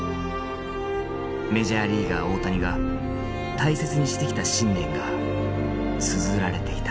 メジャーリーガー大谷が大切にしてきた信念がつづられていた。